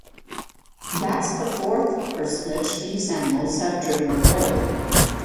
That’s the fourth personage these animals have driven away.